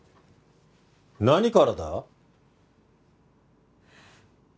何からだ？